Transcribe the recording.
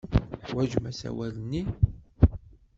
Teḥwajem asawal-nni?